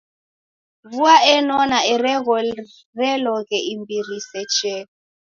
Vua enona ereghoreloghe imbiri isechee.